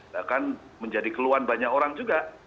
bahkan menjadi keluhan banyak orang juga